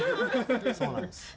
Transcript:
そうなんです。